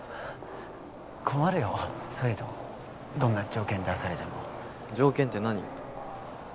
困るよそういうのどんな条件出されても条件って何？